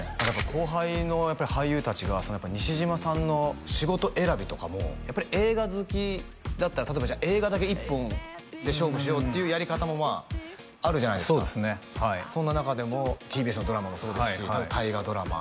後輩のやっぱり俳優達が西島さんの仕事選びとかもやっぱり映画好きだったら例えばじゃあ映画だけ一本で勝負しようっていうやり方もまああるじゃないですかそうですねはいそんな中でもＴＢＳのドラマもそうですし大河ドラマ